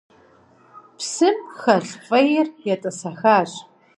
Псым хэлъ фӏейр етӏысэхащ.